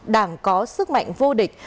đảng có sức mạnh vô địch